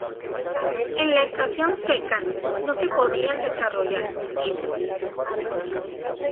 En la estación seca no se podían desarrollar cultivos.